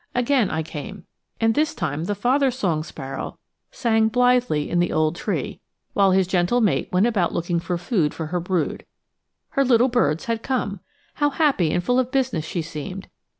Again I came, and this time the father song sparrow sang blithely in the old tree, while his gentle mate went about looking for food for her brood. Her little birds had come! How happy and full of business she seemed!